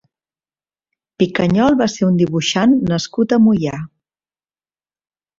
Picanyol va ser un dibuixant nascut a Moià.